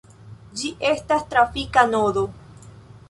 Ĝi estas trafika nodo.